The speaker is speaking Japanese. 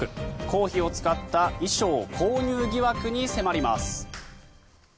公費を使った衣装購入疑惑に迫ります。